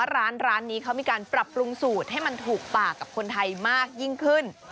ร้านนี้เขามีการปรับปรุงสูตรให้มันถูกปากกับคนไทยมากยิ่งขึ้น